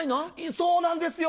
そうなんですよ！